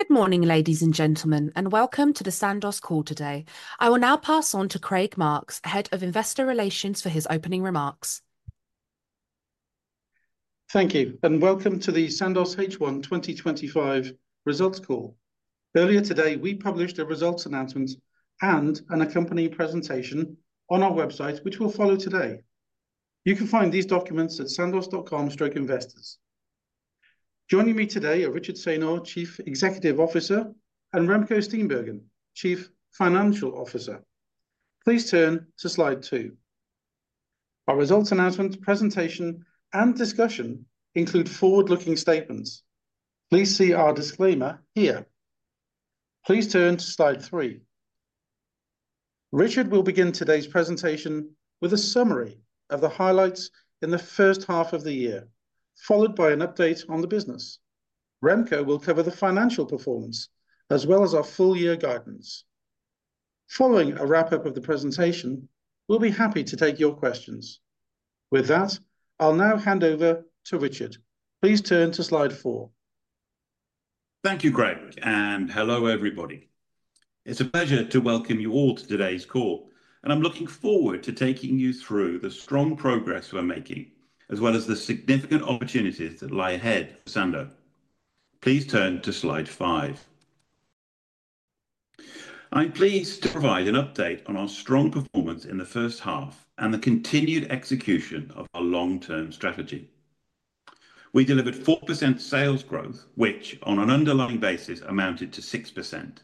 Good morning ladies and gentlemen, and welcome to the Sandoz Call today. I will now pass on to Craig Marks, Head of Investor Relations, for his opening remarks. Thank you and welcome to the Sandoz H1 2025 results call. Earlier today we published a results announcement and an accompanying presentation on our website, which we will follow today. You can find these documents at sandoz.com investors. Joining me today are Richard Saynor, Chief Executive Officer, and Remco Steenbergen, Chief Financial Officer. Please turn to slide 2. Our results announcement, presentation, and discussion include forward-looking statements. Please see our disclaimer here. Please turn to slide 3. Richard will begin today's presentation with a summary of the highlights in the first half of the year, followed by an update on the business. Remco will cover the financial performance as well as our full-year guidance. Following a wrap-up of the presentation, we'll be happy to take your questions. With that, I'll now hand over to Richard. Please turn to slide 4. Thank you, Craig, and hello everybody. It's a pleasure to welcome you all to today's call, and I'm looking forward to taking you through the strong progress we're making as well as the significant opportunities that lie ahead, Sandoz. Please turn to slide 5. I'm pleased to provide an update on our strong performance in the first half and the continued execution of our long-term strategy. We delivered 4% sales growth, which on an underlying basis amounted to 6%.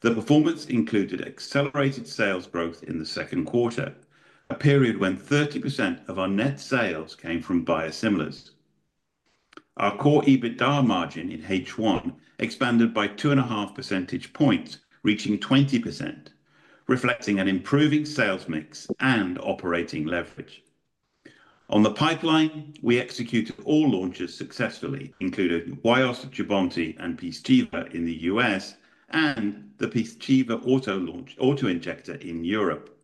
The performance included accelerated sales growth in the second quarter, a period when 30% of our net sales came from biosimilars. Our core EBITDA margin in H1 expanded by 2.5 percentage points, reaching 20%, reflecting an improving sales mix and operating leverage on the pipeline. We executed all launches successfully, including Wyost, Jubbonti, and Pyzchiva in the U.S., and the Pyzchiva Autoinjector in Europe.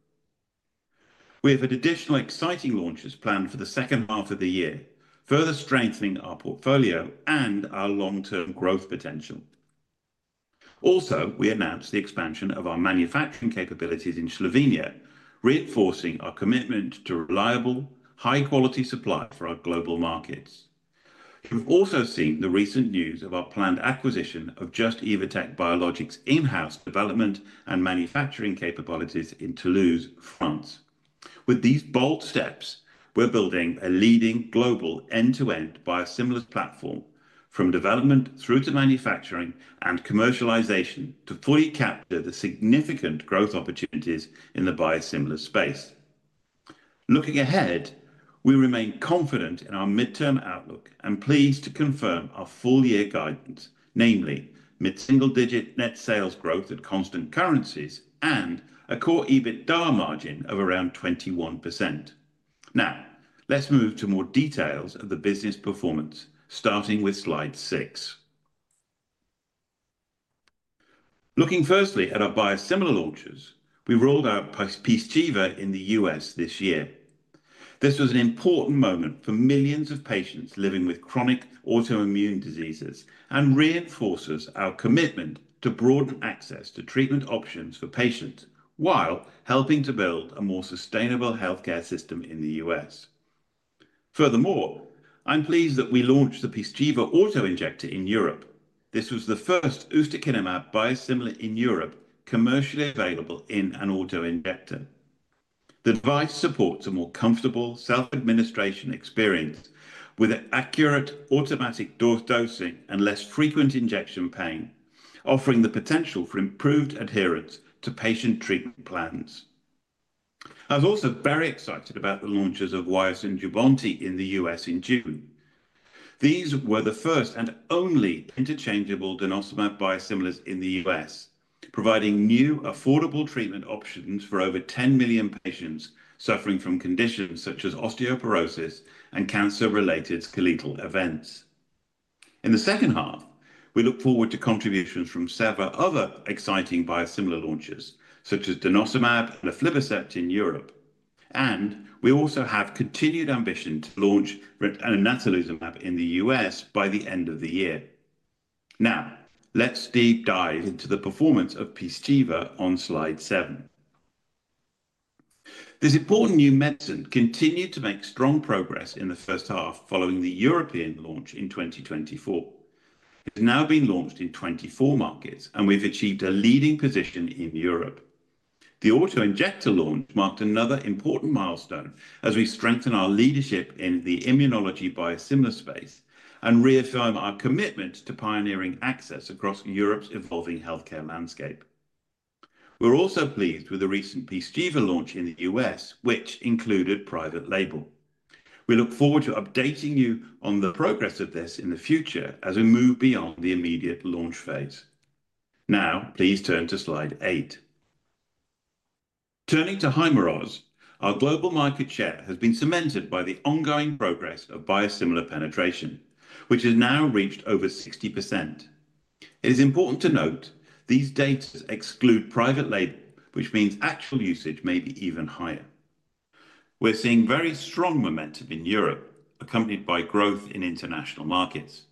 We have additional exciting launches planned for the second half of the year, further strengthening our portfolio and our long-term growth potential. Also, we announced the expansion of our manufacturing capabilities in Slovenia, reinforcing our commitment to reliable, high-quality supply for our global markets. We've also seen the recent news of our planned acquisition of Just – Evotec Biologics' in-house development and manufacturing capabilities in Toulouse, France. With these bold steps, we're building a leading global end-to-end biosimilars platform from development through to manufacturing and commercialization to fully capture the significant growth opportunities in the biosimilars space. Looking ahead, we remain confident in our mid-term outlook and pleased to confirm our full-year guidance, namely mid-single-digit net sales growth at constant currencies and a core EBITDA margin of around 21%. Now let's move to more details of the business performance, starting with slide 6. Looking firstly at our biosimilar launches, we rolled out Pyzchiva in the U.S. this year. This was an important moment for millions of patients living with chronic autoimmune diseases and reinforces our commitment to broaden access to treatment options for patients while helping to build a more sustainable healthcare system in the U.S. Furthermore, I'm pleased that we launched the Pyzchiva Autoinjector in Europe. This was the first ustekinumab biosimilar in Europe. Commercially available in an autoinjector, the device supports a more comfortable self-administration experience with accurate automatic dose dosing and less frequent injection pain, offering the potential for improved adherence to patient treatment plans. I was also very excited about the launches of Wyost and Jubbonti in the U.S. in June. These were the first and only interchangeable denosumab biosimilars in the U.S., providing new, affordable treatment options for over 10 million patients suffering from conditions such as osteoporosis and cancer-related skeletal events. In the second half, we look forward to contributions from several other exciting biosimilar launches such as denosumab and aflibercept in Europe, and we also have continued ambition to launch natalizumab in the U.S. by the end of the year. Now let's deep dive into the performance of Pyzchiva on slide 7. This important new medicine continued to make strong progress in the first half following the European launch in 2024. It has now been launched in 24 markets and we've achieved a leading position in Europe. The autoinjector launch marked another important milestone as we strengthen our leadership in the immunology biosimilar space and reaffirm our commitment to pioneering access across Europe's evolving healthcare landscape. We're also pleased with the recent Pyzchiva launch in the U.S., which included private label. We look forward to updating you on the progress of this in the future as we move beyond the immediate launch phase. Now please turn to slide 8. Turning to Hyrimoz, our global market share has been cemented by the ongoing progress of biosimilar penetration, which has now reached over 60%. It is important to note these data exclude private label, which means actual usage may be even higher. We're seeing very strong momentum in Europe accompanied by growth in international markets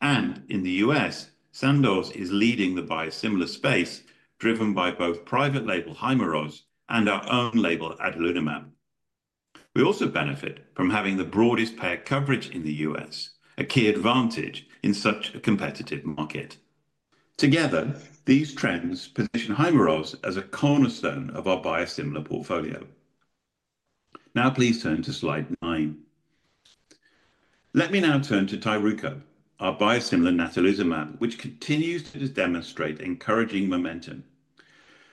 and in the U.S. Sandoz is leading the biosimilar space driven by both private label Hyrimoz and our own label adalimumab. We also benefit from having the broadest payer coverage in the U.S., a key advantage in such a competitive market. Together, these trends position Hyrimoz as a cornerstone of our biosimilar portfolio. Now please turn to slide 9. Let me now turn to Tyruko, our biosimilar natalizumab, which continues to demonstrate encouraging momentum.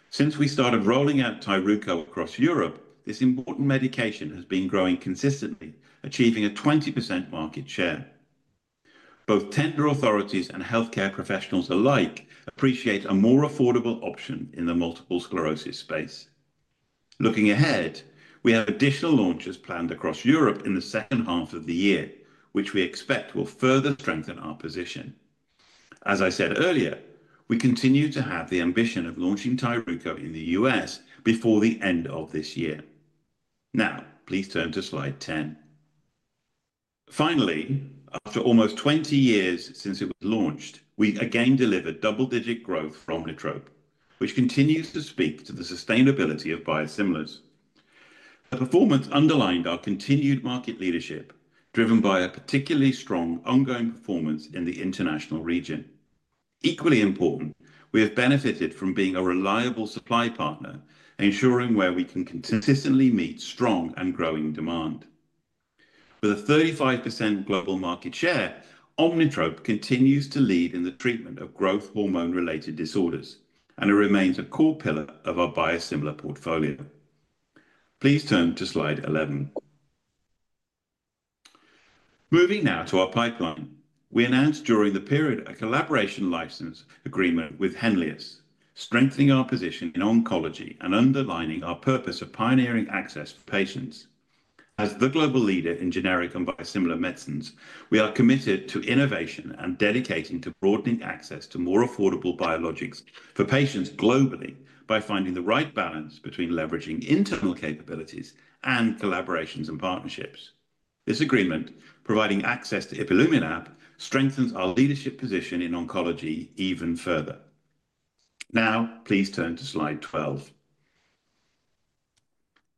Since we started rolling out Tyruko across Europe, this important medication has been growing consistently, achieving a 20% market share. Both tender authorities and healthcare professionals alike appreciate a more affordable option in the multiple sclerosis space. Looking ahead, we have additional launches planned across Europe in the second half of the year, which we expect will further strengthen our position. As I said earlier, we continue to have the ambition of launching Tyruko in the U.S. before the end of this year. Now please turn to slide 10. Finally, after almost 20 years since it was launched, we again delivered double-digit growth from Omnitrope, which continues to speak to the sustainability of biosimilars. The performance underlined our continued market leadership, driven by a particularly strong ongoing performance in the international region. Equally important, we have benefited from being a reliable supply partner, ensuring we can consistently meet strong and growing demand. With a 35% global market share, Omnitrope continues to lead in the treatment of growth hormone-related disorders, and it remains a core pillar of our biosimilar portfolio. Please turn to slide 11. Moving now to our pipeline, we announced during the period a collaboration license agreement with Henlius, strengthening our position in oncology and underlining our purpose of pioneering access for patients. As the global leader in generic and biosimilar medicines, we are committed to innovation and dedicated to broadening access to more affordable biologics for patients globally by finding the right balance between leveraging internal capabilities and collaborations and partnerships. This agreement providing access to ipilimumab strengthens our leadership position in oncology even further. Now please turn to slide 12.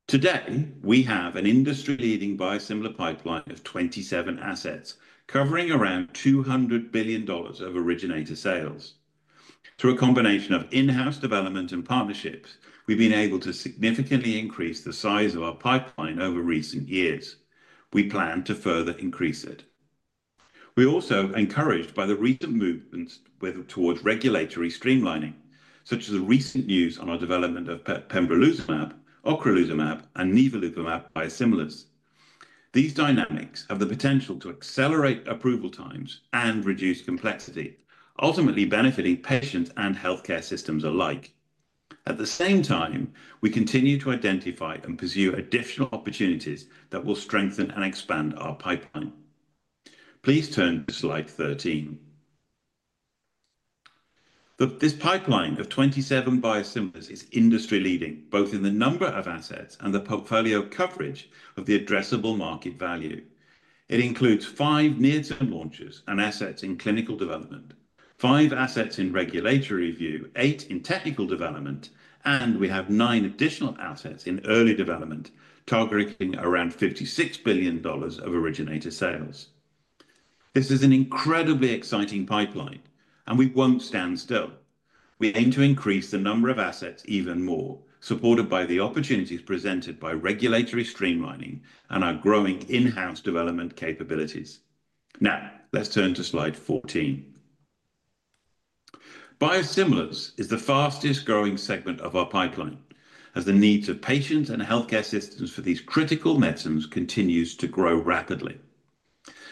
Today we have an industry-leading biosimilar pipeline of 27 assets covering around $200 billion of originator sales. Through a combination of in-house development and partnerships, we've been able to significantly increase the size of our pipeline over recent years. We plan to further increase it. We also are encouraged by the recent movements towards regulatory streamlining, such as the recent news on our development of pembrolizumab, ocrelizumab, and nivolumab biosimilars. These dynamics have the potential to accelerate approval times and reduce complexity, ultimately benefiting patients and healthcare systems alike. At the same time, we continue to identify and pursue additional opportunities that will strengthen and expand our pipeline. Please turn to slide 13. This pipeline of 27 biosimilars is industry leading both in the number of assets and the portfolio coverage of the addressable market value. It includes five near-term launches and assets in clinical development, five assets in regulatory review, eight in technical development, and we have nine additional assets in early development targeting around $56 billion of originator sales. This is an incredibly exciting pipeline and we won't stand still. We aim to increase the number of assets even more, supported by the opportunities presented by regulatory streamlining and our growing in-house development capabilities. Now let's turn to slide 14. Biosimilars is the fastest growing segment of our pipeline as the needs of patients and healthcare systems for these critical medicines continues to grow rapidly.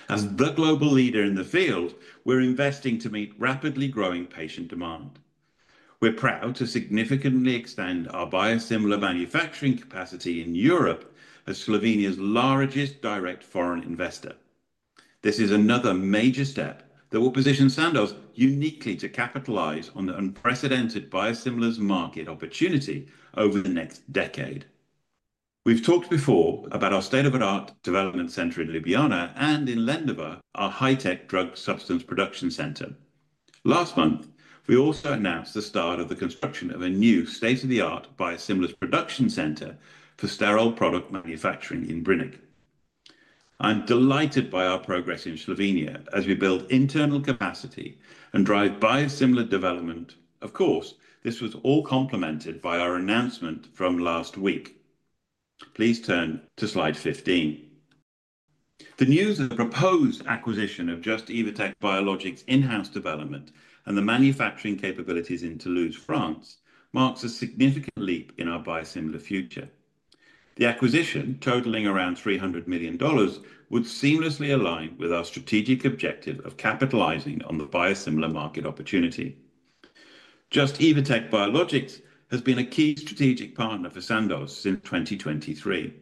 As the global leader in the field, we're investing to meet rapidly growing patient demand. We're proud to significantly extend our biosimilar manufacturing capacity in Europe. As Slovenia's largest direct foreign investor, this is another major step that will position Sandoz uniquely to capitalize on the unprecedented biosimilars market opportunity over the next decade. We've talked before about our state-of-the-art development center in Ljubljana and in Lendava, our high-tech drug substance production center. Last month we also announced the start of the construction of a new state-of-the-art biosimilars production center for sterile product manufacturing in Brinov. I'm delighted by our progress in Slovenia as we build internal capacity and drive biosimilar development. Of course, this was all complemented by our announcement from last week. Please turn to slide 15. The news of the proposed acquisition of Just – Evotec Biologics in-house development and the manufacturing capabilities in Toulouse, France marks a significant leap in our biosimilar future. The acquisition totaling around $300 million would seamlessly align with our strategic objective of capitalizing on the biosimilar market opportunity. Just – Evotec Biologics has been a key strategic partner for Sandoz since 2023.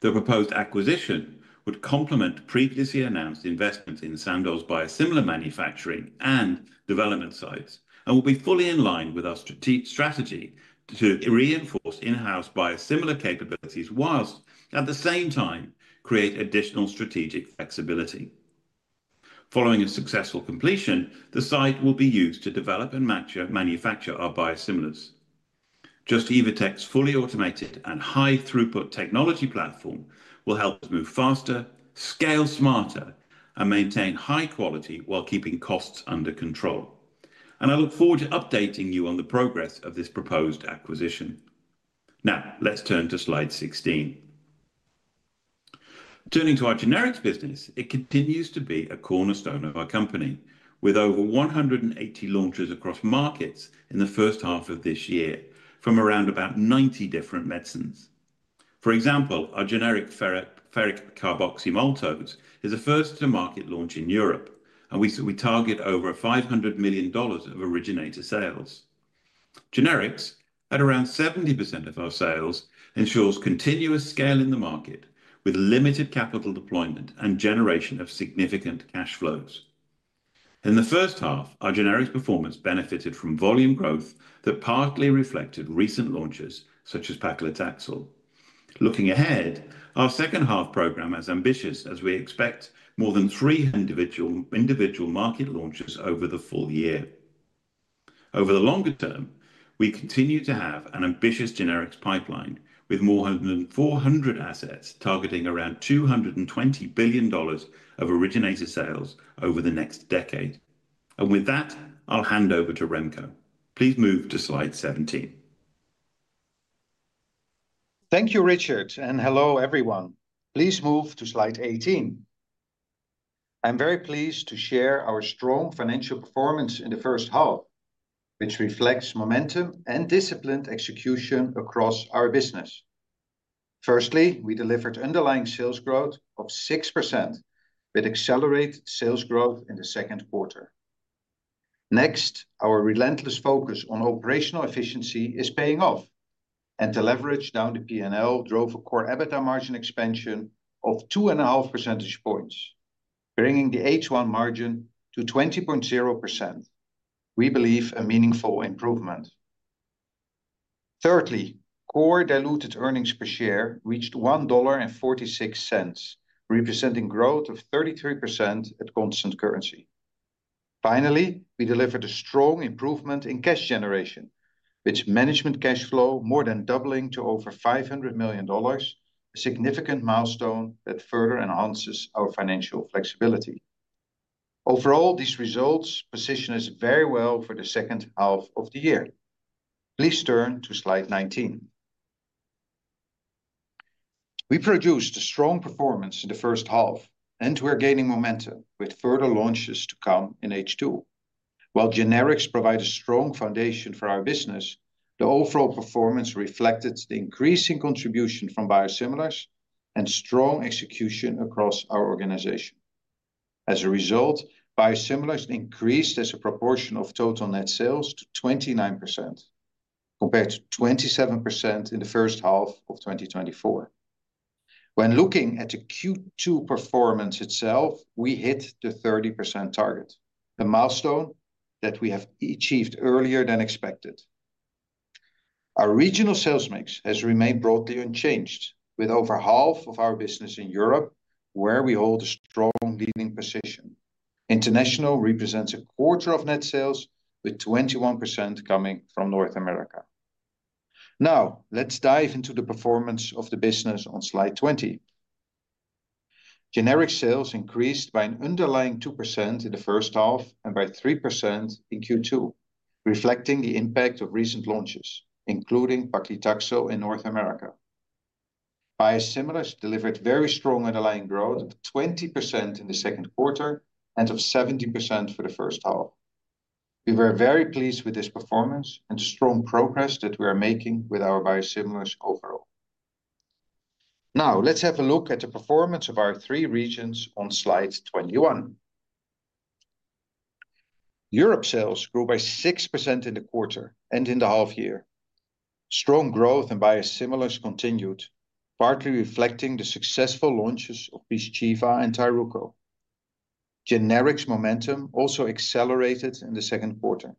The proposed acquisition would complement previously announced investments in Sandoz biosimilar manufacturing and development sites and would be fully in line with our strategy to reinforce in-house biosimilar capabilities whilst at the same time create additional strategic flexibility. Following a successful completion, the site will be used to develop and manufacture our biosimilars. Just – Evotec Biologics' fully automated and high throughput technology platform will help move faster, scale smarter, and maintain high quality while keeping costs under control. I look forward to updating you on the progress of this proposed acquisition. Now let's turn to slide 16. Turning to our generics business, it continues to be a cornerstone of our company with over 180 launches across markets in the first half of this year from around 90 different medicines. For example, our generic ferric carboxymaltose is the first to market launch in Europe, and we target over $500 million of originator sales. Generics at around 70% of our sales ensures continuous scale in the market with limited capital deployment and generation of significant cash flows. In the first half, our generics performance benefited from volume growth that partly reflected recent launches such as paclitaxel. Looking ahead, our second half program is ambitious as we expect more than three individual market launches over the full year. Over the longer term, we continue to have an ambitious generics pipeline with more than 400 assets, targeting around $220 billion of originator sales over the next decade. With that, I'll hand over to Remco. Please move to slide 17. Thank you, Richard and hello everyone. Please move to slide 18. I am very pleased to share our strong financial performance in the first half, which reflects momentum and disciplined execution across our business. Firstly, we delivered underlying sales growth of 6% with accelerated sales growth in the second quarter. Next, our relentless focus on operational efficiency is paying off and the leverage down the P&L drove a core EBITDA margin expansion of 2.5 percentage points, bringing the H1 margin to 20.0%. We believe a meaningful improvement. Thirdly, core diluted earnings per share reached $1.46, representing growth of 33% at constant currency. Finally, we delivered a strong improvement in cash generation. Its management cash flow more than doubling to over $500 million, a significant milestone that further enhances our financial flexibility. Overall, these results position us very well for the second half of the year. Please turn to slide 19. We produced a strong performance in the first half and we're gaining momentum with further launches to come in H2. While generics provide a strong foundation for our business, the overall performance reflected the increasing contribution from biosimilars and strong execution across our organization. As a result, biosimilars increased as a proportion of total net sales to 29% compared to 27% in the first half of 2024. When looking at the Q2 performance itself, we hit the 30% target, the milestone that we have achieved earlier than expected. Our regional sales mix has remained broadly unchanged with over half of our business in Europe, where we hold a strong leading position. International represents a quarter of net sales with 21% coming from North America. Now let's dive into the performance of the business. On slide 20, generics sales increased by an underlying 2% in the first half and by 3% in Q2, reflecting the impact of recent launches including Paclitaxel in North America. Biosimilars delivered very strong underlying growth 20% in the second quarter and of 70% for the first half. We were very pleased with this performance and strong progress that we are making with our biosimilars overall. Now let's have a look at the performance of our 3 regions on slide 21. Europe sales grew by 6% in the quarter and in the half year strong growth in biosimilars continued, partly reflecting the successful launches of Pyzchiva and Tyruko. Generics momentum also accelerated in the second quarter.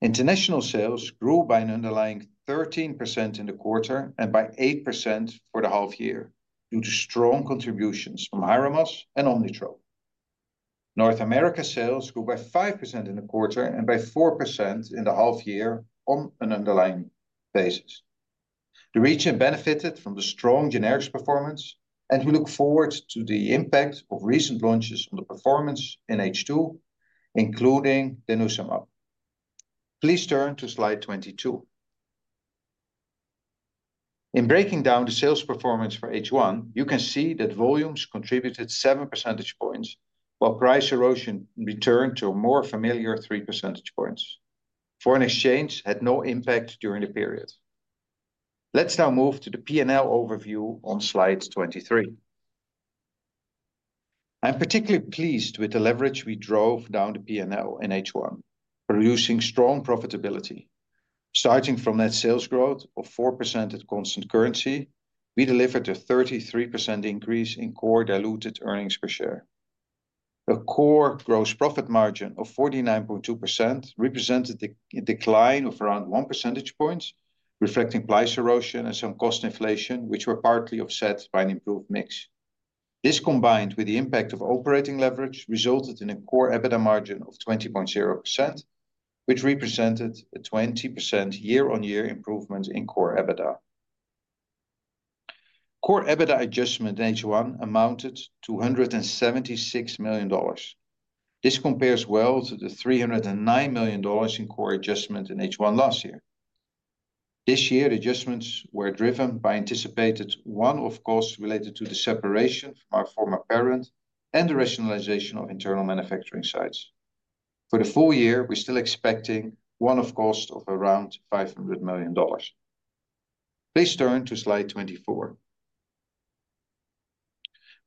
International sales grew by an underlying 13% in the quarter and by 8% for the half year due to strong contributions from Hyrimoz and Omnitrope. North America sales grew by 5% in the quarter and by 4% in the half year. On an underlying basis, the region benefited from the strong generics performance and we look forward to the impact of recent launches on the performance in H2, including the Pyzchiva Autoinjector. Please turn to slide 22. In breaking down the sales performance for H1, you can see that volumes contributed 7 percentage points while price erosion returned to a more familiar 3 percentage points. Foreign exchange had no impact during the period. Let's now move to the P&L Overview on slide 23. I am particularly pleased with the leverage we drove down the P&L in H1, producing strong profitability. Starting from net sales growth of 4% at constant currency, we delivered a 33% increase in core diluted earnings per share. A core gross profit margin of 49.2% represented a decline of around 1 percentage point, reflecting price erosion and some cost inflation which were partly offset by an improved mix. This combined with the impact of operating leverage resulted in a core EBITDA margin of 20.0% which represented a 20% year-on-year improvement in core EBITDA. Core EBITDA adjustment in H1 amounted to $276 million. This compares well to the $309 million in core adjustment in H1 last year. This year, adjustments were driven by anticipated one-off costs related to the separation from our former parent and the rationalization of internal manufacturing sites. For the full year, we're still expecting one-off costs of around $500 million. Please turn to slide 24.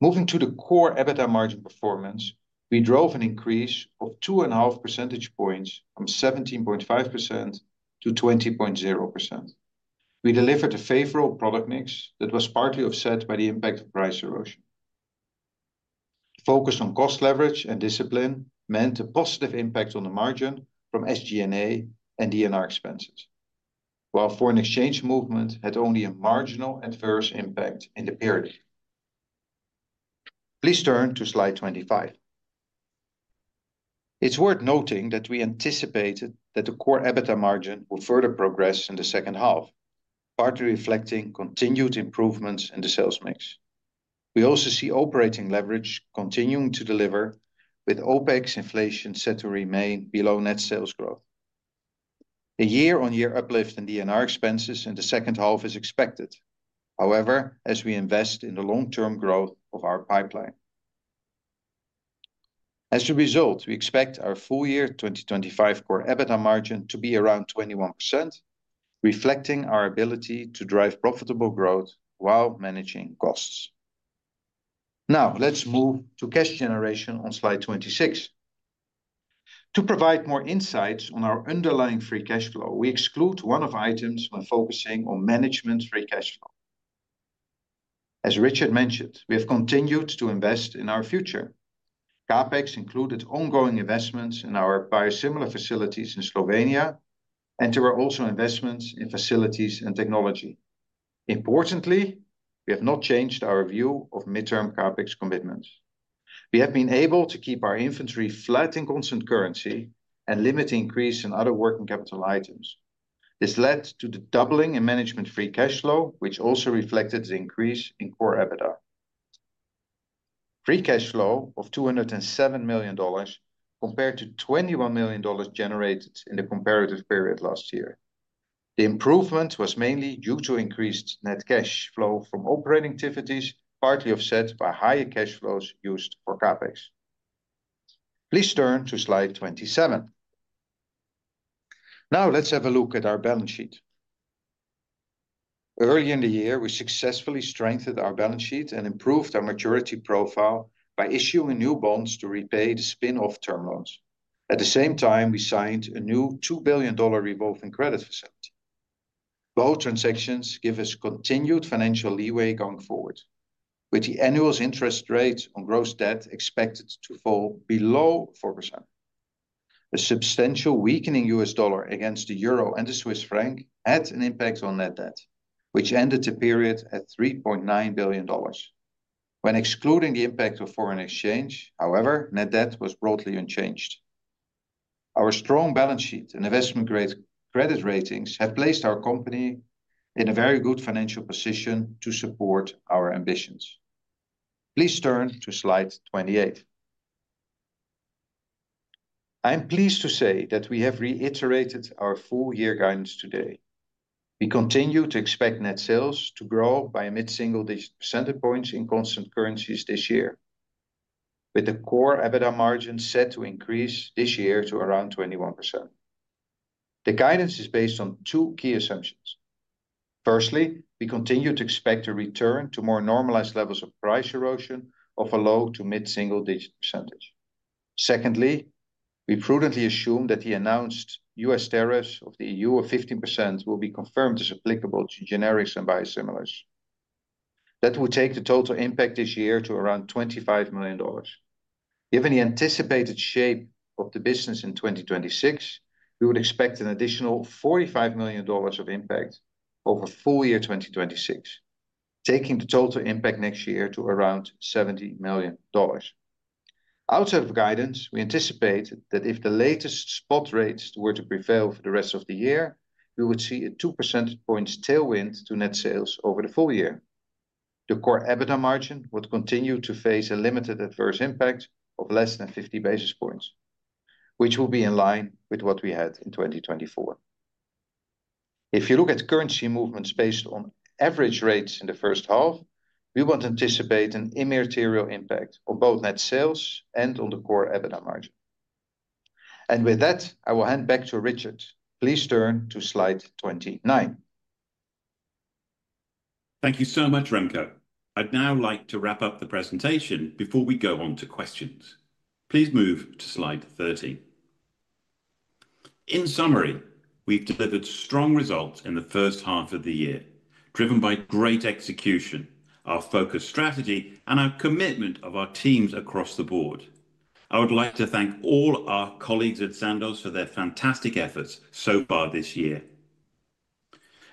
Moving to the core EBITDA margin performance, we drove an increase of 2.5 percentage points from 17.5%-20.0%. We delivered a favorable product mix that was partly offset by the impact of price erosion. Focus on cost leverage and discipline meant a positive impact on the margin from SG&A and R&D expenses, while foreign exchange movement had only a marginal adverse impact in the period. Please turn to slide 25. It's worth noting that we anticipated that the core EBITDA margin will further progress in the second half, partly reflecting continued improvements in the sales mix. We also see operating leverage continuing to deliver with OpEx inflation set to remain below net sales growth year on year. Uplift in R&D expenses in the second half is expected, however, as we invest in the long-term growth of our pipeline. As a result, we expect our full year 2025 core EBITDA margin to be around 21%, reflecting our ability to drive profitable growth while managing costs. Now let's move to cash generation on slide 26 to provide more insights on our underlying free cash flow. We exclude one-off items when focusing on management's free cash flow. As Richard mentioned, we have continued to invest in our future. CapEx included ongoing investments in our biosimilar facilities in Slovenia and there were also investments in facilities and technology. Importantly, we have not changed our view of midterm CapEx commitments. We have been able to keep our inventory flat in constant currency and limit the increase in other working capital items. This led to the doubling in management free cash flow, which also reflected the increase in core EBITDA free cash flow of $207 million compared to $21 million generated in the comparative period last year. The improvement was mainly due to increased net cash flow from operating activities, partly offset by higher cash flows used for CapEx. Please turn to slide 27. Now let's have a look at our balance sheet. Early in the year, we successfully strengthened our balance sheet and improved our maturity profile by issuing new bonds to repay the spin-off term loans. At the same time, we signed a new $2 billion revolving credit facility. Both transactions give us continued financial leeway going forward, with the annual interest rate on gross debt expected to fall below 4%. A substantial weakening U.S. dollar against the Euro and the Swiss franc had an impact on net debt, which ended the period at $3.9 billion. When excluding the impact of foreign exchange, however, net debt was broadly unchanged. Our strong balance sheet and investment grade credit ratings have placed our company in a very good financial position to support our ambitions. Please turn to slide 28. I am pleased to say that we have reiterated our full year guidance today. We continue to expect net sales to grow by a mid-single percentage points in constant currencies this year, with the core EBITDA margin set to increase this year to around 21%. The guidance is based on two key assumptions. Firstly, we continue to expect a return to more normalized levels of price erosion of a low to mid-single-digit percentage. Secondly, we prudently assume that the announced U.S. tariffs of the EU of 15% will be confirmed as applicable to generics and biosimilars. That would take the total impact this year to around $25 million. Given the anticipated shape of the business in 2026, we would expect an additional $45 million of impact over full year 2026, taking the total impact next year to around $70 million. Outside of guidance, we anticipate that if the latest spot rates were to prevail for the rest of the year, we would see a 2% tailwind to net sales over the full year. The core EBITDA margin would continue to face a limited adverse impact of less than 50 basis points, which will be in line with what we had in 2024. If you look at currency movements based on average rates in the first half, we won't anticipate an immaterial impact on both net sales and on the core EBITDA margin. With that, I will hand back to Richard. Please turn to slide 29. Thank you so much, Remco. I'd now like to wrap up the presentation. Before we go on to questions, please move to slide 13. In summary, we've delivered strong results in the first half of the year, driven by great execution, our focus strategy, and our commitment of our teams across the board. I would like to thank all our colleagues at Sandoz for their fantastic efforts so far this year.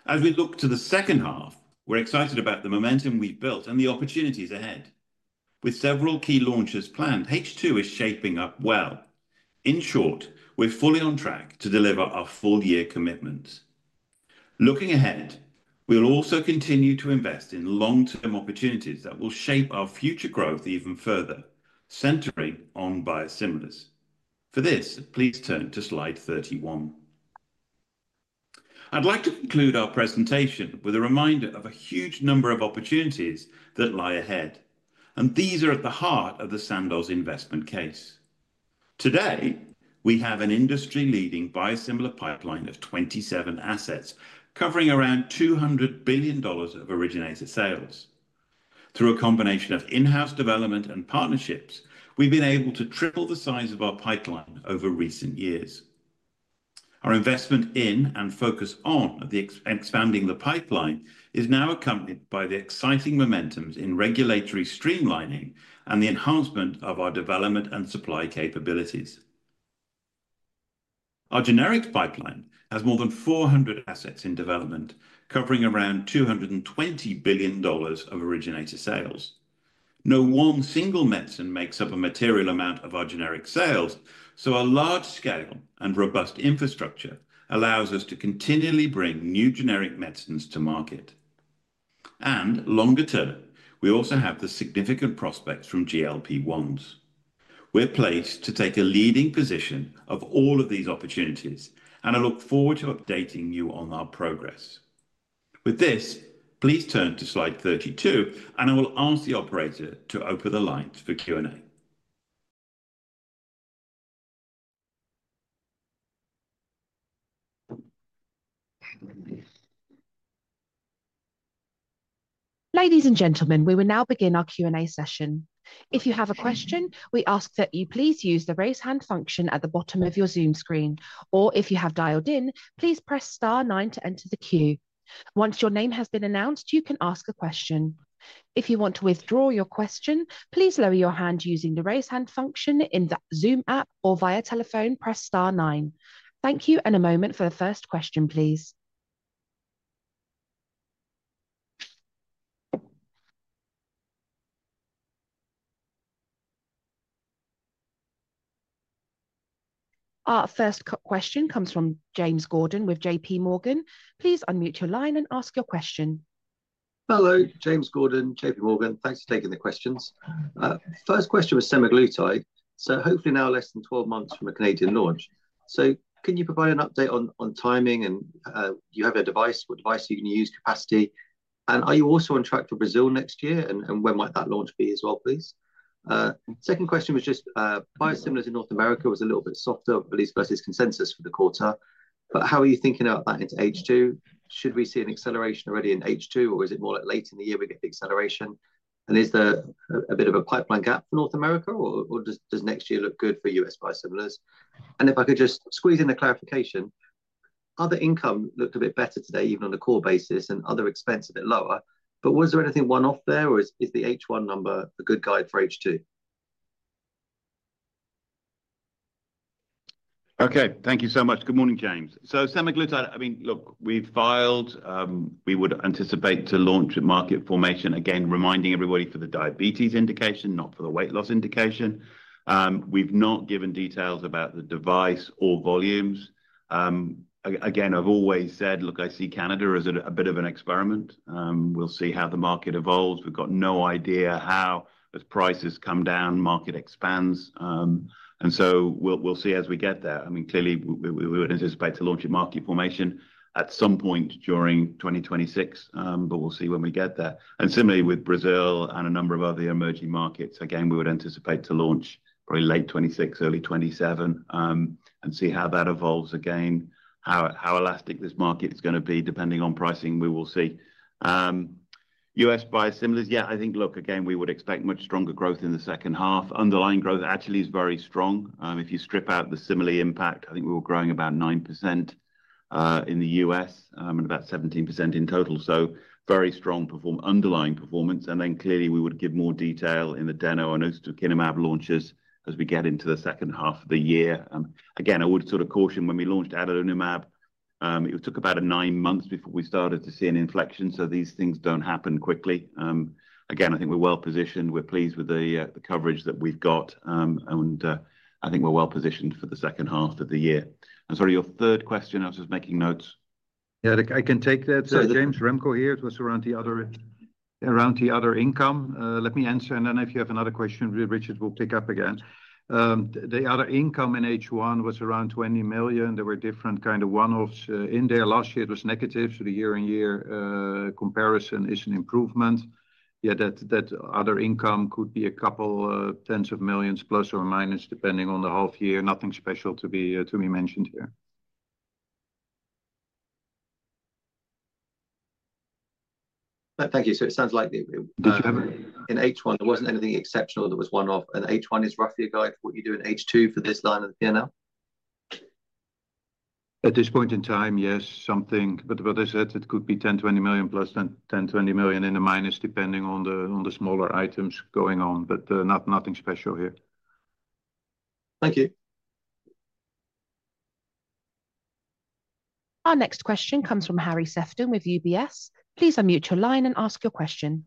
As we look to the second half, we're excited about the momentum we've built and the opportunities ahead. With several key launches planned, H2 is shaping up well. In short, we're fully on track to deliver our full year commitments. Looking ahead, we'll also continue to invest in long term opportunities that will shape our future growth even further, centering on biosimilars. For this, please turn to slide 31. I'd like to conclude our presentation with a reminder of a huge number of opportunities that lie ahead, and these are at the heart of the Sandoz investment case. Today we have an industry-leading biosimilar pipeline of 27 assets covering around $200 billion of originator sales. Through a combination of in-house development and partnerships, we've been able to triple the size of our pipeline over recent years. Our investment in and focus on expanding the pipeline is now accompanied by the exciting momentum in regulatory streamlining and the enhancement of our development and supply capabilities. Our generics pipeline has more than 400 assets in development, covering around $220 billion of originator sales. No one single medicine makes up a material amount of our generic sales, so a large scale and robust infrastructure allows us to continually bring new generic medicines to market. Longer term, we also have the significant prospects from GLP-1s. We're placed to take a leading position of all of these opportunities, and I look forward to updating you on our progress with this. Please turn to slide 32, and I will ask the operator to open the lines for Q&A. Ladies and gentlemen, we will now begin our Q&A session. If you have a question, we ask that you please use the raise hand function at the bottom of your Zoom screen, or if you have dialed in, please press star nine to enter the queue. Once your name has been announced, you can ask a question. If you want to withdraw your question, please lower your hand using the raise hand function in the Zoom app or via telephone. Press star nine. Thank you, and a moment for the first question please. Our first question comes from James Gordon with JPMorgan. Please unmute your line and ask your question. Hello James Gordon, JPMorgan. Thanks for taking the questions. First question was semaglutide. Hopefully now less than 12 months from a Canadian launch. Can you provide an update on timing and you have a device, what device are you going to use, capacity? Are you also on track for Brazil next year? When might that launch be as well please? Second question was just biosimilars in North America was a little bit softer but it's versus consensus for the quarter. How are you thinking about that into H2? Should we see an acceleration already in H2 or is it more late in the year we get the acceleration? Is there a bit of a pipeline gap for North America or does next year look good for us? Price similars, if I could just squeeze in the clarification, other income looked a bit better today even on a core basis other expense a bit lower? Was there anything one off there? Or is the H1 number a good guide for H2? Okay, thank you so much. Good morning James. So semaglutide, I mean look we've filed, we would anticipate to launch a market formation. Again, reminding everybody for the diabetes indication, not for the weight loss indication. We've not given details about the device or volumes. Again, I've always said, look, I see Canada as a bit of an experiment. We'll see how the market evolves. We've got no idea how as prices come down, market expands and so we'll see as we get there. I mean clearly we would anticipate to launch a market formation at some point during 2026, but we'll see when we get there. Similarly with Brazil and a number of other emerging markets, again, we would anticipate to launch probably late 2026, early 2027 and see how that evolves. Again, how elastic this market is going to be. Depending on pricing, we will see as buyer similarities. Yeah, I think look again, we would expect much stronger growth in the second half. Underlying growth actually is very strong. If you strip out the simile impact, I think we were growing about 9% in the US and about 17% in total. So very strong underlying performance. Clearly we would give more detail in the Deno. I know Kinemab launches as we get into the second half of the year. Again, I would sort of caution when we launched Adalimumab, it took about nine months before we started to see an inflection. These things don't happen quickly. I think we're well positioned, we're pleased with the coverage that we've got and I think we're well positioned for the second half of the year. Sorry, your third question. I was just making notes. Yeah, I can take that. James, Remco here. It was around the other income. Let me answer, and then if you have another question, Richard, we'll pick up again. The other income in H1 was around $20 million. There were different kind of one-offs in there last year. It was negative, so the year-on-year comparison is an improvement. That other income could be a couple tens of millions plus or minus depending on the half year. Nothing special to be mentioned here. Thank you. It sounds like in H1 there wasn't anything exceptional that was one off, and H1 is roughly like what you do in H2 for this line of the P&L? At this point in time, yes, something. What I said, it could be $10 million, $20 million+, $10 million, $20 million in the minus depending on the smaller items going on, but nothing special here. Thank you. Our next question comes from Harry Sephton with UBS. Please unmute your line and ask your question.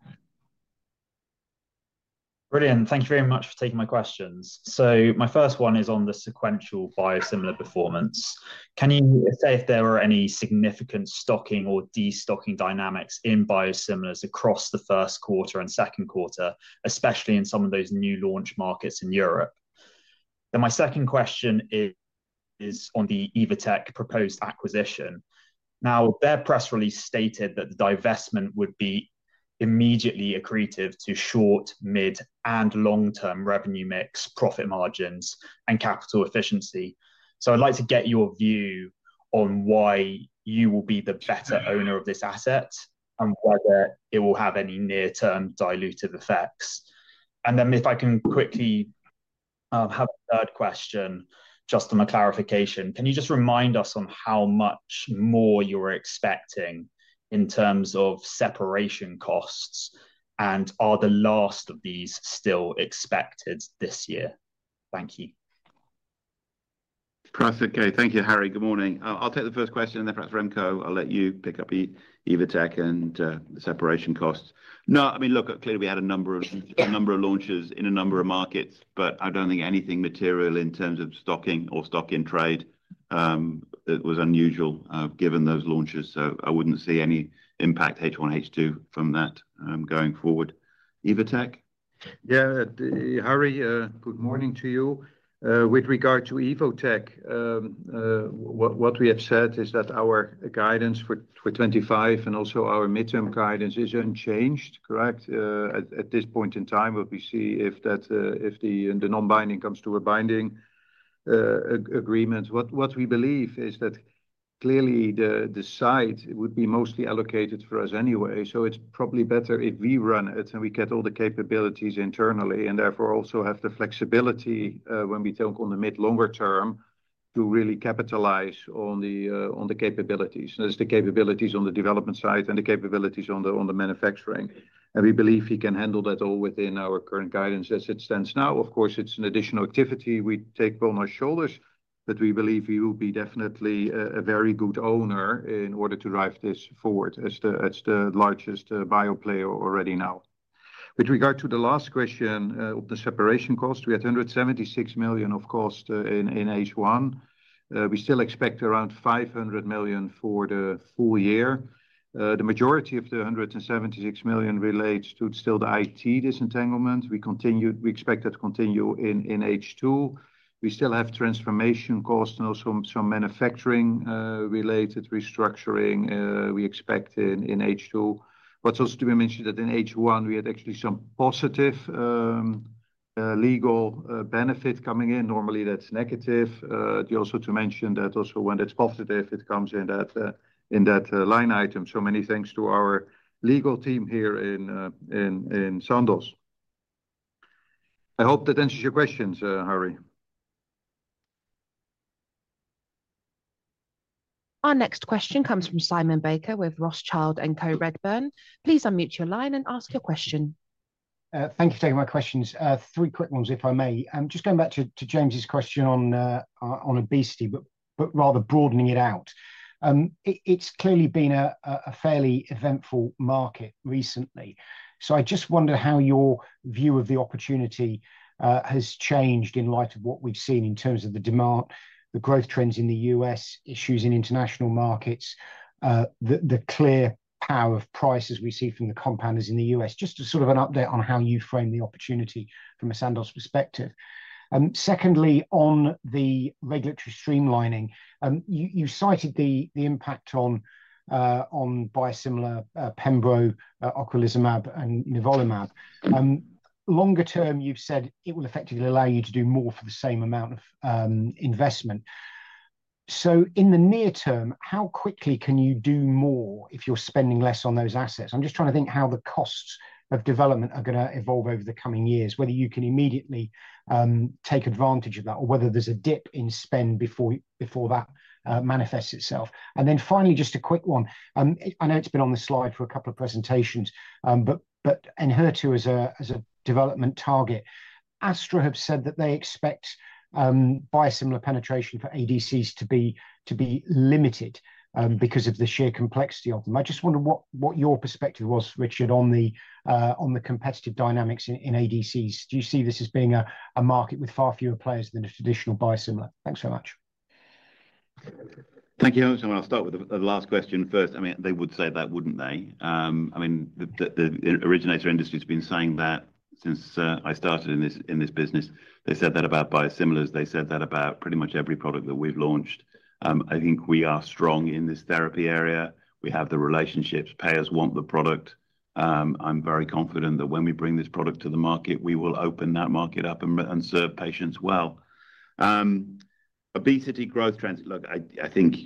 Brilliant. Thank you very much for taking my questions. My first one is on the sequential biosimilar performance. Can you say if there are any significant stocking or destocking dynamics in biosimilars across the first quarter and second quarter, especially in some of those new launch markets in Europe? My second question is on the Evotec proposed acquisition. Their press release stated that the divestment would be immediately accretive to short, middle, and long term revenue mix, profit margins, and capital efficiency. I'd like to get your view on why you will be the better owner of this asset and whether it. Will have any near term dilutive effects? If I can quickly have a third question just on a clarification, can you just remind us on how much more you're expecting in terms of separation costs, and are the last of these still expected this year? Thank you. Perfect. Okay, thank you, Harry. Good morning. I'll take the first question, Remco, I'll let you pick up Evotec and the separation costs. No, I mean look, clearly we had a number of launches in a number of markets, but I don't think anything material in terms of stocking or stock in trade was unusual given those launches. I wouldn't see any impact H1, H2 from that going forward. Evotec. Yeah. Harry, good morning to you. With regard to Evotec, what we have said is that our guidance for 2025 and also our midterm guidance is unchanged. Correct. At this point in time, if we see that if the non-binding comes to a binding agreement, what we believe is that clearly the site would be mostly allocated for us anyway. It is probably better if we run it and we get all the capabilities internally and therefore also have the flexibility when we think on the mid to longer term to really capitalize on the capabilities, as the capabilities on the development side and the capabilities on the manufacturing, and we believe we can handle that all within our current guidance. As it stands now, of course, it is an additional activity. We take bonus shoulders, but we believe we will be definitely a very good owner in order to drive this forward. It is the largest bioplayer already. Now, with regard to the last question, the separation cost, we had $176 million of cost in H1. We still expect around $500 million for the full year. The majority of the $176 million relates to still the IT disentanglement. We expect that to continue in H2. We still have transformation cost and also some manufacturing-related restructuring we expect in H2. Also to be mentioned that in H1 we had actually some positive legal benefits coming in. Normally that is negative. Also to mention that also when it is positive it comes in that line item. Many thanks to our legal team here in Sandoz. I hope that answers your questions. Harry.. Our next question comes from Simon Baker with Rothschild and Redburn Atlantic. Please unmute your line and ask your question. Thank you for taking my questions. Three quick ones if I may. I'm just going back to James's question on obesity, but rather broadening it out. It's clearly been a fairly eventful market recently, so I just wonder how your view of the opportunity has changed in light of what we've seen in terms of the demand, the growth trends in the U.S., issues in international markets, the clear power of price as we see from the compounders in the U.S. Just as sort of an update on how you frame the opportunity from a Sandoz perspective. Secondly, on the regulatory streamlining, you cited the impact on biosimilar, pembrolizumab, ocrelizumab, and nivolumab. Longer term, you've said it will effectively allow you to do more for the same amount of investment. In the near term, how quickly can you do more if you're spending less on those assets? I'm just trying to think how the costs of development are going to evolve over the coming years, whether you can immediately take advantage of that or whether there's a dip in spend before that manifests itself. Finally, just a quick one. I know it's been on the slide for a couple of presentations, but in HER2 as a development target, Astra have said that they expect biosimilar penetration for ADCs to be limited because of the sheer complexity of them. I just wonder what your perspective was, Richard, on the competitive dynamics in ADCs? Do you see this as being a market with far fewer players than a traditional biosimilar? Thanks very much. Thank you. I'll start with the last question first. They would say that, wouldn't they? The originator industry has been saying that since I started in this business. They said that about biosimilars. They said that about pretty much every product that we've launched. I think we are strong in this therapy area. We have the relationships, payers want the product. I'm very confident that when we bring this product to the market, we will open that market up and serve patients well. Obesity growth trends, look, I think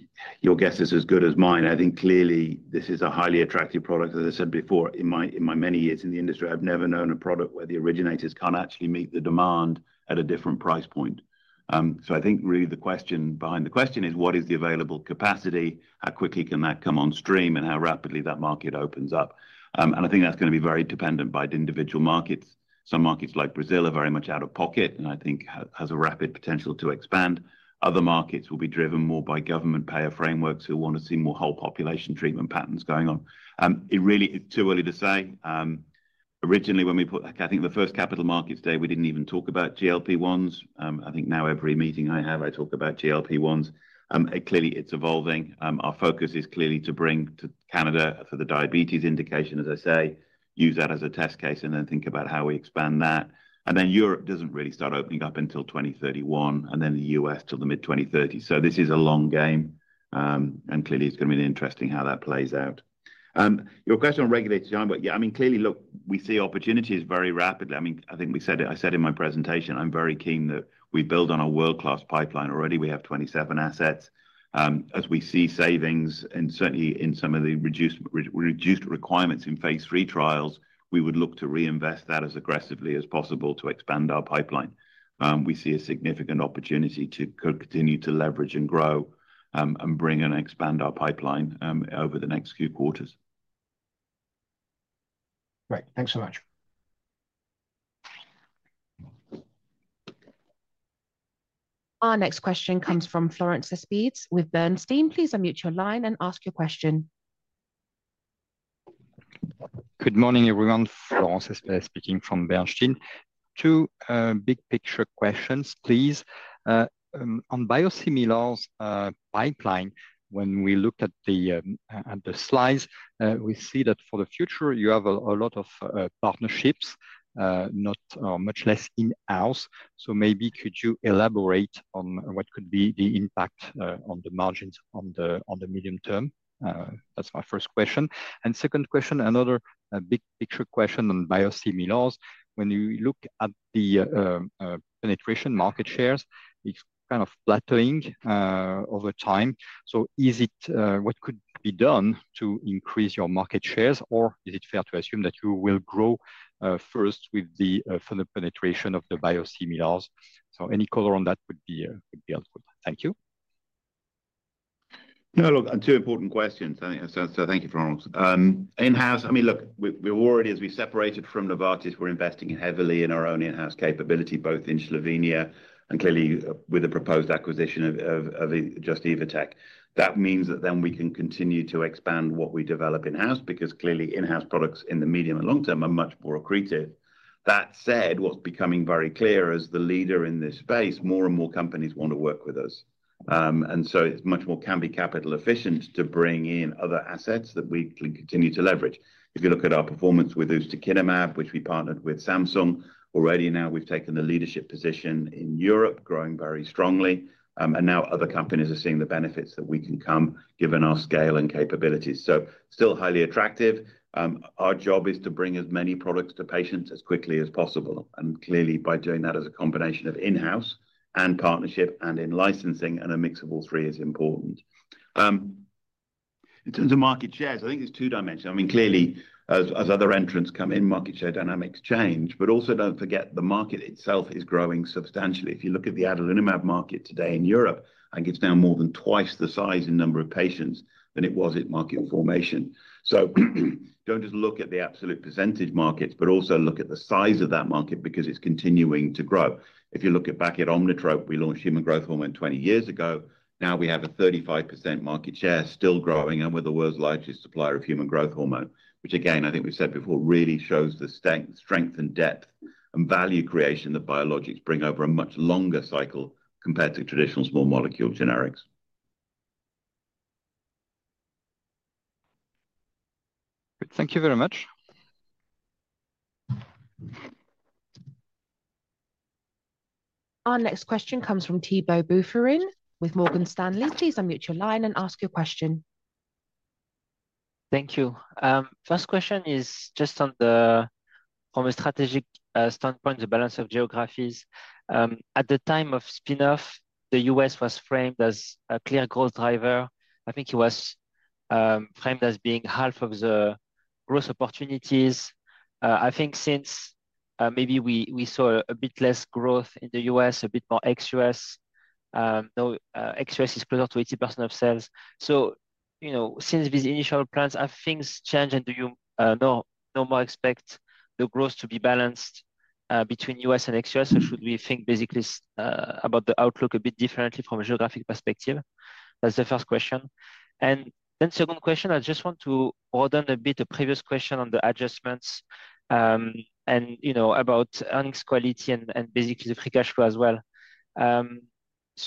your guess is as good as mine. Clearly this is a highly attractive product. As I said before, in my many years in the industry, I've never known a product where the originators can't actually meet the demand at a different price point. I think the question behind the question is what is the available capacity, how quickly can that come on stream, and how rapidly that market opens up. I think that's going to be very dependent by individual markets. Some markets like Brazil are very much out of pocket and I think have a rapid potential to expand. Other markets will be driven more by government payer frameworks who want to see more whole population treatment patterns going on. It is really too early to say. Originally when we put the first capital markets day, we didn't even talk about GLP-1s. I think now every meeting I have I talk about GLP-1s. Clearly it's evolving. Our focus is clearly to bring to Canada for the diabetes indication. As I say, use that as a test case and then think about how we expand that, and then Europe doesn't really start opening up until 2031 and then the U.S. till the mid-2030s. This is a long game and clearly it's going to be interesting how that plays out. Your question on regulated time work? Clearly, we see opportunities very rapidly. I said in my presentation, I'm very keen that we build on a world-class pipeline. Already we have 27 assets. As we see savings and certainly in some of the reduced requirements in phase 3 trials, we would look to reinvest that as aggressively as possible to expand our pipeline. We see a significant opportunity to continue to leverage and grow and bring and expand our pipeline over the next few quarters. Great, thanks very much. Our next question comes from Florent Cespedes with Bernstein. Please unmute your line and ask your question. Good morning, everyone. Florent Cespedes speaking from Bernstein. Two big picture questions, please. On biosimilar pipeline, when we look at the slides, we see that for the. future you have a lot of partnerships, not much less in-house. Could you elaborate on what? Could be the impact on the margins. On the medium term? That's my first question. Second question, another big picture question on biosimilars, when you look at the penetration market shares, it's kind of plateauing over time. What could be done? To increase your market shares, or is.it fair to assume that you will grow first with the further penetration of the biosimilars? Any color on that would be helpful. Thank you. No, two important questions. Thank you, Florent. In-house, I mean look, we already as we separated from Novartis, we're investing heavily in our own in-house capability both in Slovenia and clearly with the proposed acquisition of Just – Evotec Biologics, that means that then we can continue to expand what we develop in-house because clearly in-house products in the medium and long term are much more accretive. That said, what's becoming very clear, as the leader in this space, more and more companies want to work with us. It is much more capital efficient to bring in other assets that we can continue to leverage. If you look at our performance with ustekinumab, which we partnered with Samsung, already now we've taken the leadership position in Europe, growing very strongly and now other companies are seeing the benefits that we can come given our scale and capabilities. Still highly attractive. Our job is to bring as many products to patients as quickly as possible. Clearly by doing that as a combination of in-house and partnership and in-licensing and a mix of all three is important. In terms of market shares, I think it's two dimensions. Clearly as other entrants come in, market share dynamics change. Also don't forget the market itself is growing substantially. If you look at the adalimumab market today in Europe, I think it's now more than twice the size in number of patients than it was at market formation. Don't just look at the absolute % markets but also look at the size of that market because it's continuing to grow. If you look back at Omnitrope, we launched human growth hormone 20 years ago. Now we have a 35% market share, still growing, and we're the world's largest supplier of human growth hormone, which again I think we said before really shows the strength and depth and value creation that biologics bring over a much longer cycle compared to traditional small molecule generics. Thank you very much. Our next question comes from Thibault Boutherin with Morgan Stanley. Please unmute your line and ask your question. Thank you. First question is just on the, from a strategic standpoint, the balance of geographies. At the time of spin-off, the U.S. was framed as a clear growth driver. I think it was framed as being half of the growth opportunities. I think since, maybe we saw a bit less growth in the U.S., a bit more ex-U.S., it's closer to 80% of sales. Since these initial plans, have things changed and do you no more expect the growth to be balanced between U.S. and ex-U.S.? Should we think basically about the outlook a bit differently from a geographic perspective? That's the first question. Second question, I just want to broaden a bit a previous question on the adjustments and about earnings quality and basically the free cash flow as well.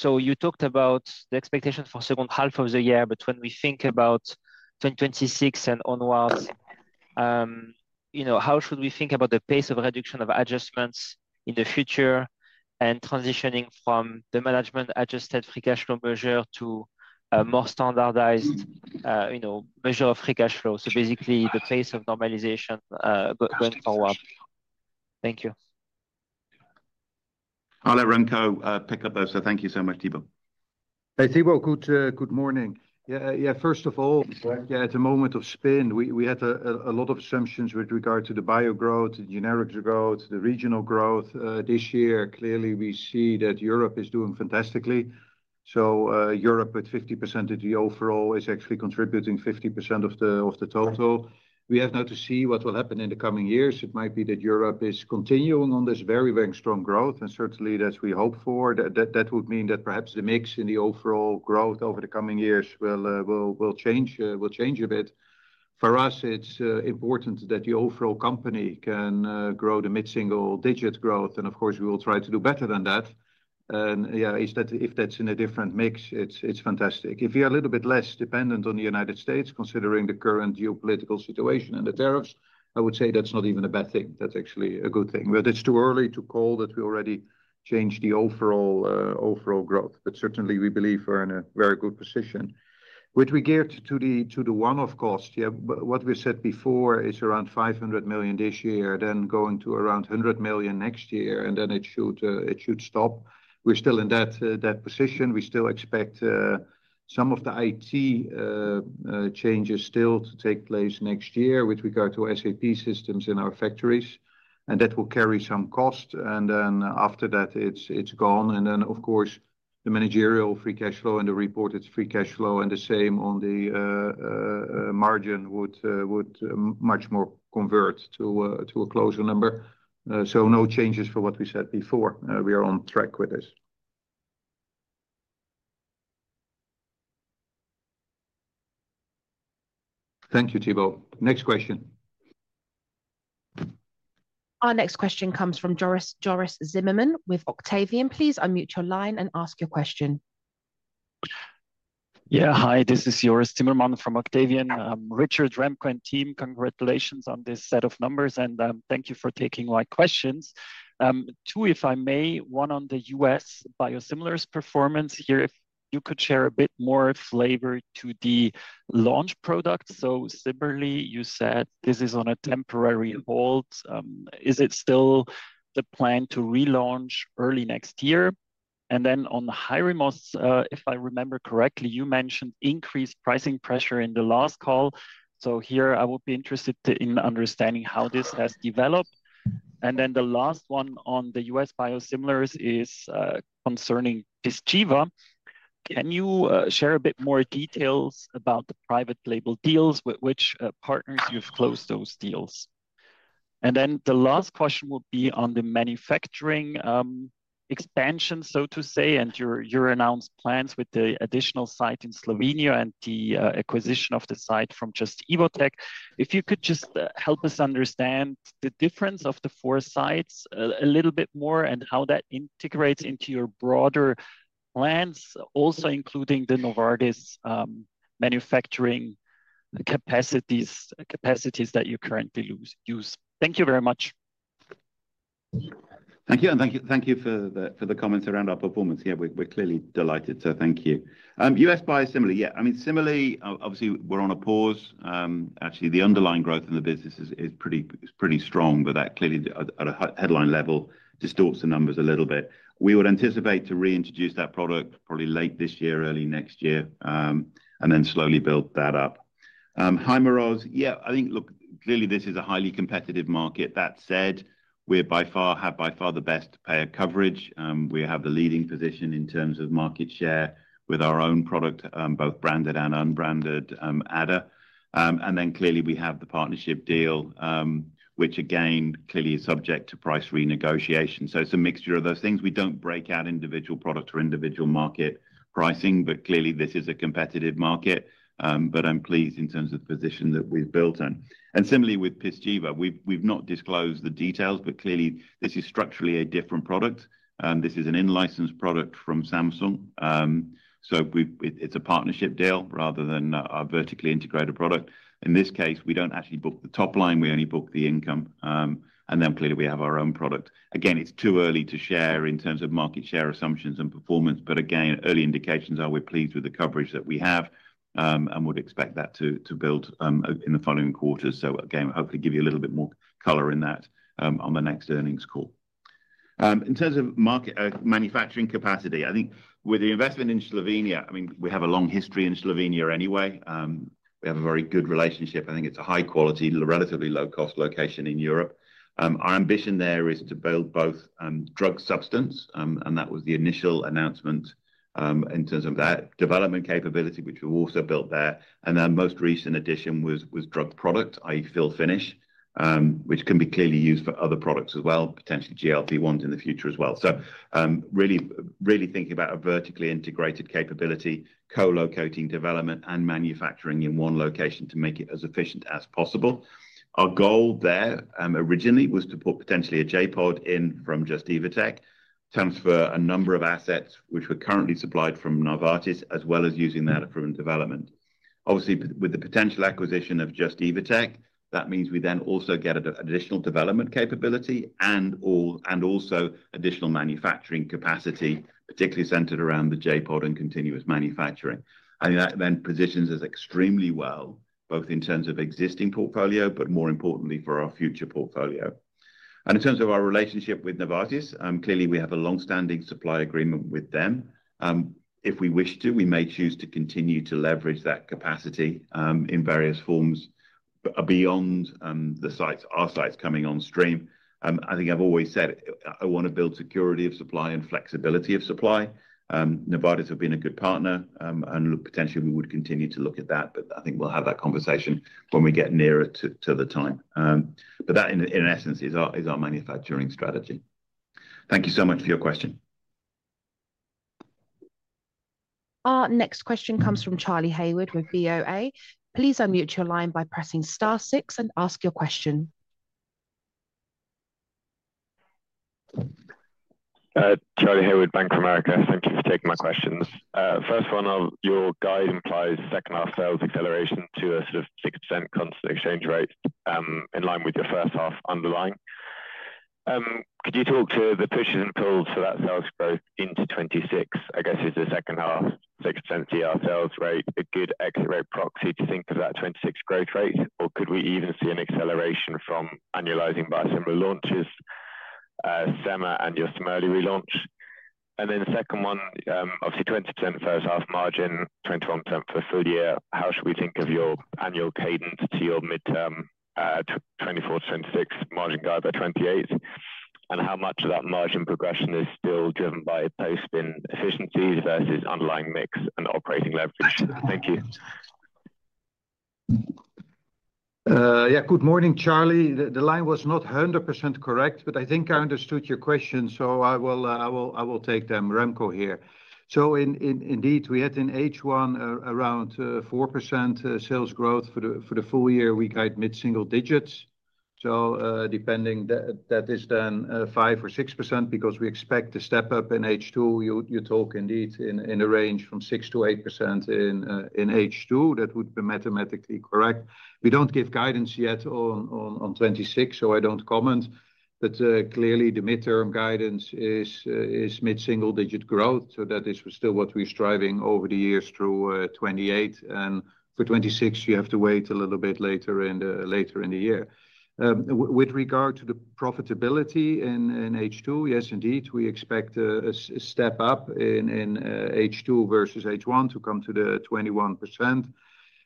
You talked about the expectations for second half of the year, but when we think about 2026 and onwards, how should we think about the pace of reduction of adjustments in the future and transitioning from the management adjusted free cash flow measure to a more standardized measure of free cash flow? Basically, the pace of normalization going forward. Thank you. I'll let Remco pick up those. Thank you so much, Thibault. Thibault, good morning. First of all, at the moment of spin we had a lot of assumptions with regard to the bio growth, generic growth, the regional growth this year. Clearly, we see that Europe is doing fantastically. Europe at 50% of the overall is actually contributing 50% of the total. We have now to see what will happen in the coming years. It might be that Europe is continuing on this very, very strong growth and certainly we hope for that. That would mean that perhaps the mix in the overall growth over the coming years will change a bit for us. It's important that the overall company can grow the mid-single-digit growth and of course we will try to do better than that. If that's in a different mix, it's fantastic. If you're a little bit less dependent on the U.S. considering the current geopolitical situation and the tariffs, I would say that's not even a bad thing. That's actually a good thing. It's too early to call that. We already changed the overall growth but certainly we believe we're in a very. Good position with regards to the one-off cost. What we said before is around $500 million this year, then going to around $100 million next year and then it should stop. We're still in that position. We still expect some of the IT changes still to take place next year with regard to SAP systems in our factories and that will carry some cost. After that it's gone. Of course, the managerial free cash flow and the reported free cash flow and the same on the margin would much more convert to a closure number. No changes for what we said before. We are on track with this. Thank you. Thibault, next question. Our next question comes from Joris Zimmermann with Octavian. Please unmute your line and ask your question. Yeah, hi, this is Joris Zimmermann from Octavian. Richard, Remco and team, congratulations on this set of numbers and thank you for taking my questions. Two, if I may. One, on the US biosimilars performance here, if you could share a bit more flavor to the launch product. Similarly, you said this is on a temporary halt. Is it still the plan to relaunch early next year? On the Hyrimoz, if I remember correctly, you mentioned increased pricing pressure in the last call. I will be interested in understanding how this has developed. The last one on the US biosimilars is concerning Pyzchiva. Can you share a bit more details about the private label deals, with which partners you have closed those deals? The last question will be on the manufacturing expansion, so to say, and your announced plans with the additional site in Slovenia and the acquisition of the site from Just – Evotec Biologics. If you could just help us understand the difference of the four sites a little bit more and how that integrates into your broader plans, also including the Novartis manufacturing capacities that you currently use. Thank you very much. Thank you. And thank you for the comments around our performance. Yeah, we're clearly delighted. So thank you. U.S. buyer. Similarly, yeah, I mean, similarly, obviously we're on a pause actually. The underlying growth in the business is pretty, pretty strong. That clearly at a headline level distorts the numbers a little bit. We would anticipate to reintroduce that product probably late this year, early next year and then slowly build that up. Hyrimoz. Yeah, I think, look, clearly this is a highly competitive market. That said, we have by far the best payer coverage. We have the leading position in terms of market share with our own product, both branded and unbranded ADA. Then clearly we have the partnership deal, which again clearly is subject to price renegotiation. It's a mixture of those things. We don't break out individual product or individual market pricing. Clearly this is a competitive market. I'm pleased in terms of position that we've built on. Similarly with Pyzchiva, we've not disclosed the details, but clearly this is structurally a different product. This is an in-licensed product from Samsung. It's a partnership deal rather than a vertically integrated product. In this case, we don't actually book the top line, we only book the income. Then clearly we have our own product. Again, it's too early to share in terms of market share assumptions and performance. Again, early indications are we're pleased with the coverage that we have and would expect that to build in the following quarters. Hopefully give you a little bit more color in that on the next earnings call. In terms of market manufacturing capacity, I think with the investment in Slovenia, I mean we have a long history in Slovenia. Anyway, we have a very good relationship. I think it's a high quality, relatively low cost location in Europe. Our ambition there is to build both drug substance and that was the initial announcement in terms of that development capability which we also built there. Our most recent addition was drug product fill-finish which can be clearly used for other products as well, potentially GLP-1s in the future as well. Really, really thinking about a vertically integrated capability, co-locating development and manufacturing in one location to make it as efficient as possible. Our goal there originally was to put potentially a J.POD in from Just – Evotec Biologics, transfer a number of assets which were currently supplied from Novartis as well as using that from development. Obviously, with the potential acquisition of Just – Evotec Biologics, that means we then also get additional development capability and also additional manufacturing capacity, particularly centered around the J.POD and continuous manufacturing. That then positions us extremely well both in terms of existing portfolio, but more importantly for our future portfolio and in terms of our relationship with Novartis. Clearly, we have a long-standing supply agreement with them. If we wish to, we may choose to continue to leverage that capacity in various forms beyond the sites, our sites coming on stream. I think I've always said I want to build security of supply and flexibility of supply. Novartis have been a good partner and potentially we would continue to look at that. I think we'll have that conversation when we get nearer to the time. That in essence is our manufacturing strategy. Thank you so much for your question. Our next question comes from Charlie Haywood with BofA. Please unmute your line by pressing star six and ask your question. Charlie here with Bank of America. Thank you for taking my questions. First one, your guide implies a second half sales acceleration to a sort of 6% constant exchange rate in line with the first half underlying. Could you talk to the push and pull so that into 2026 I guess is the second half 6% sales rate a good exit rate proxy to think of that 2026 growth rate? Could we even see an acceleration from annualizing biosimilar launches, Zema and your Smearley relaunch? The second one, obviously 20% first half margin, 21% for the full year. How should we think of your annual cadence to your mid term 2024-2026 margin guide by 2028? And how much of that margin progression is still driven by post spin efficiencies versus underlying mix and operating leverage? Thank you. Yeah, good morning Charlie. The line was not 100% correct but I think I understood your question so I will take them, Remco here. So indeed we had in H1 around 4% sales growth for the full year. We guide mid-single-digits so depending that is then 5% or 6% because we expect to step up in H2. You talk indeed in a range from 6%-8% in H2, that would be mathematically correct. We don't give guidance yet on 2026 so I don't comment. Clearly the midterm guidance is mid single digit growth. That is still what we're striving over the years through 2028 and for 2026 you have to wait a little bit later in the year. With regard to the profitability in H2, yes indeed we expect a step up in H2 versus H1 to come to the 21%.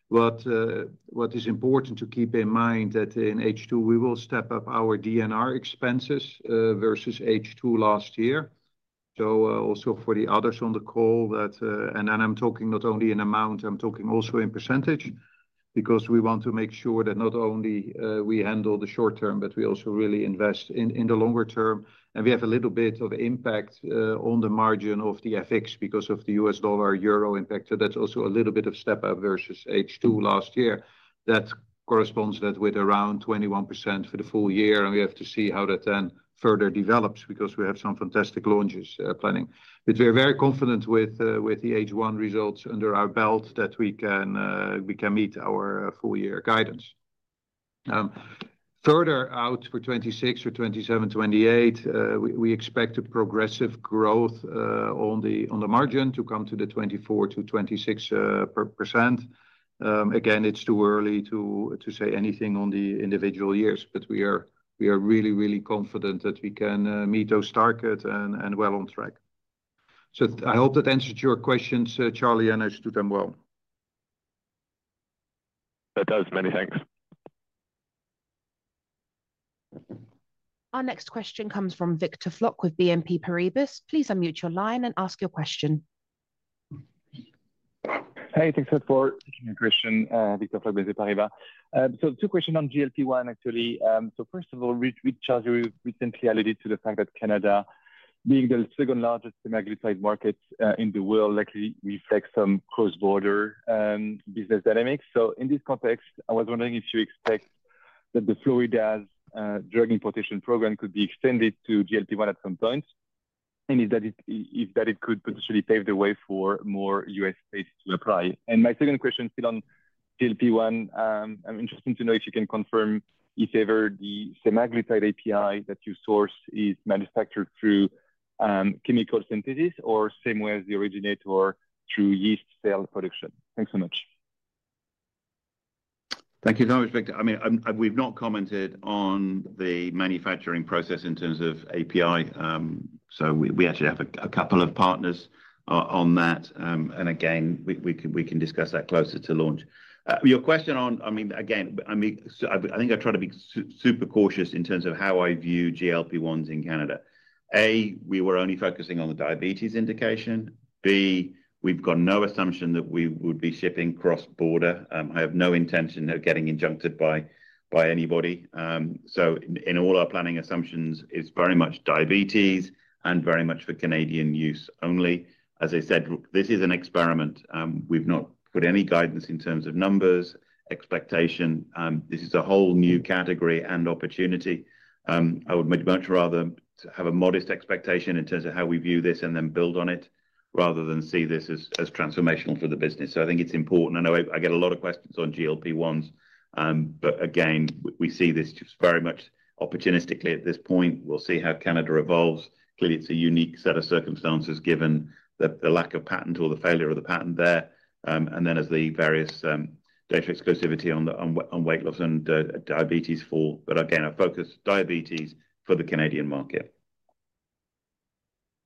What is important to keep in mind is that in H2 we will step up our DNR expenses versus H2 last year. Also for the others on the call, and then I'm talking not only in amount, I'm talking also in percentage because we want to make sure that not only we handle the short term but we also really invest in the longer term and we have a little bit of impact on the margin of the FX because of the US dollar-Euro impact. That's also a little bit of step up versus H2 last year. That corresponds with around 21% for the full year and we have to see how that then further develops because we have some fantastic launches planning. We are very confident with the H1 results under our belt that we can meet our full year guidance. Further out for 2026 or 2027, 2028, we expect a progressive growth on the margin to come to the 24%-26%. Again, it's too early to say anything on the individual years but we are really, really confident that we can meet those targets and are well on track. I hope that answered your questions Charlie and I stood them well. That does many thanks. Our next question comes from Victor Floc'h with BNP Paribas. Please unmute your line and ask your question. Hey, thanks a lot for taking a question. Victor Floc'h, BNP Paribas. Two questions on GLP-1, actually. First of all, you recently alluded to the fact that Canada, being the second largest semaglutide market in the world, likely reflects some cross-border business dynamics. In this context, I was wondering if you expect that the Florida drug importation program could be extended to GLP-1 at some point, and if that could potentially pave the way for more U.S. states to apply. My second question, still on GLP-1, I'm interested to know if you can confirm if ever the semaglutide API that you source is manufactured through chemical synthesis or the same way as the originator, through yeast cell production. Thanks so much. Thank you very much, Victor. We've not commented on the manufacturing process in terms of API, so we actually have a couple of partners on that, and we can discuss that closer to launch. Your question on, I mean, again, I think I try to be super cautious in terms of how I view GLP-1s in Canada. A, we were only focusing on the diabetes indication. B, we've got no assumption that we would be shipping cross border. I have no intention of getting injuncted by anybody. In all our planning assumptions, it's very much diabetes and very much for Canadian use only. As I said, this is an experiment. We've not put any guidance in terms of numbers expectation. This is a whole new category and opportunity. I would much rather have a modest expectation in terms of how we view this and then build on it rather than see this as transformational for the business. I think it's important. I know I get a lot of questions on GLP-1s, but again, we see this just very much opportunistically at this point. We'll see how Canada evolves. Clearly, it's a unique set of circumstances given the lack of patent or the failure of the patent there and then as the various data exclusivity on weight loss and diabetes. Again, our focus is diabetes for the Canadian market.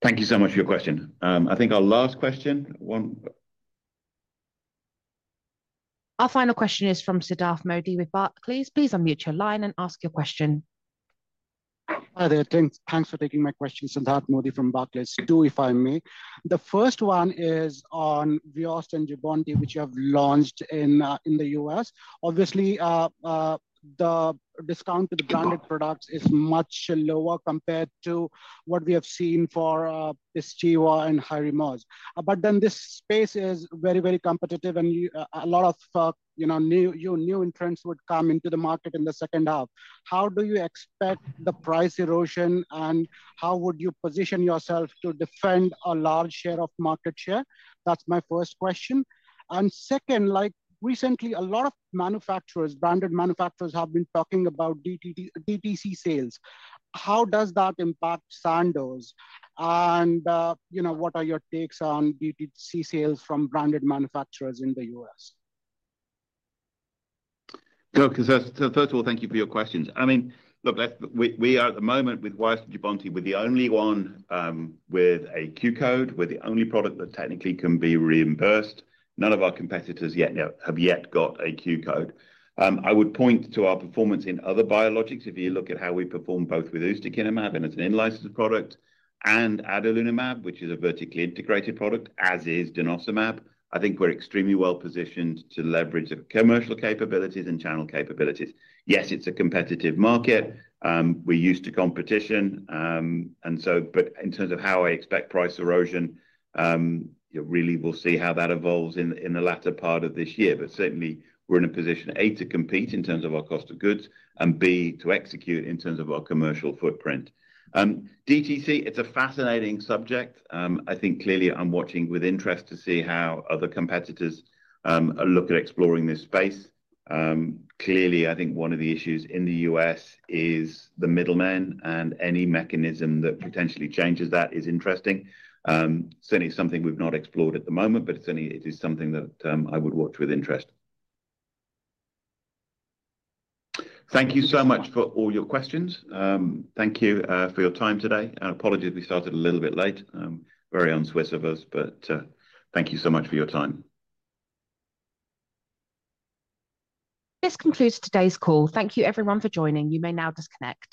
Thank you so much for your question. I think our last question, one more. Final question is from Sidhartha Modi with Barclays. Please unmute your line and ask your question. Hi there. Thanks. Thanks for taking my question. Sidhartha Modi from Barclays. Two if I may. The first one is on Wyost and Jubbonti, which you have launched in the U.S. Obviously, the discount to the branded products is much lower compared to what we have seen for Stewart and Hyrimoz. This space is very, very competitive and a lot of new entrants would come into the market in the second half. How do you expect the price erosion and how would you position yourself to defend a large share of market share? That's my first question. Second, like recently a lot of manufacturers, branded manufacturers, have been talking about DTC sales. How does that impact Sandoz and, you know, what are your takes on DTC sales from branded manufacturers in the U.S.? First of all, thank you for your questions. I mean, look, we are at the moment with Jubbonti, we're the only one with a Q code, with the only product that technically can be reimbursed. None of our competitors yet have got a Q code. I would point to our performance in other biologics. If you look at how we perform both with ustekinumab, and it's an in-licensed product, and adalimumab, which is a vertically integrated product as is denosumab, I think we're extremely well positioned to leverage commercial capabilities and channel capabilities. Yes, it's a competitive market, we're used to competition. In terms of how I expect price erosion, really we'll see how that evolves in the latter part of this year. Certainly, we're in a position A to compete in terms of our cost of goods and B to execute in terms of our commercial footprint DTC. It's a fascinating subject. I think clearly I'm watching with interest to see how other competitors look at exploring this space. Clearly, I think one of the issues in the U.S. is the middleman, and any mechanism that potentially changes that is interesting. Certainly something we've not explored at the moment, but it is something that I would watch with interest. Thank you so much for all your questions. Thank you for your time today. Our apologies, we started a little bit late, very unswiss of us. Thank you so much for your time. This concludes today's call. Thank you everyone for joining. You may now disconnect.